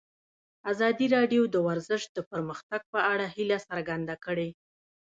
ازادي راډیو د ورزش د پرمختګ په اړه هیله څرګنده کړې.